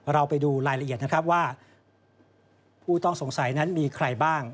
เราไปดูรายละเอียดนะครับว่าผู้ต้องสงสัยนั้นมีใครบ้าง